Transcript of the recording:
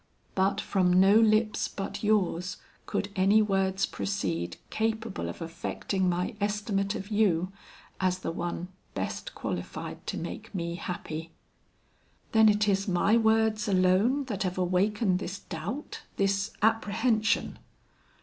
"But from no lips but yours could any words proceed capable of affecting my estimate of you as the one best qualified to make me happy." "Then it is my words alone that have awakened this doubt, this apprehension?"